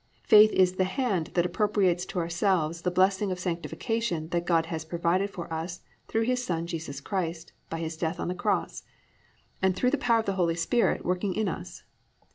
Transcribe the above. Faith is the hand that appropriates to ourselves the blessing of sanctification that God has provided for us through His Son Jesus Christ by His death on the cross, and through the power of the Holy Spirit working in us.